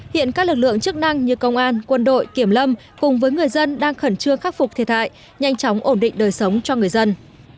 hiện các lực lượng chức năng như công an quân đội kiểm lâm cùng với người dân đang khẩn trương khắc phục thiệt hại nhanh chóng ổn định đời sống cho người dân